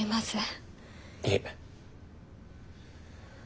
いえ。